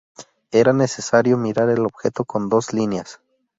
Era necesario mirar el objeto con dos líneas.